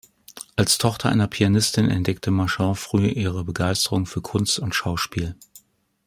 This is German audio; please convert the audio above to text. Als Tochter einer Pianistin entdeckte Marchand früh ihre Begeisterung für Kunst und Schauspiel.